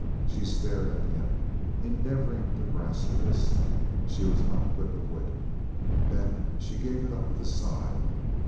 She stared at him, endeavoring to grasp this. She was not quick of wit. Then she gave it up with a. sigh.